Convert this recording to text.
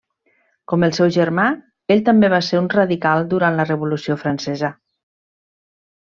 Com el seu germà, ell també va ser un radical durant la Revolució francesa.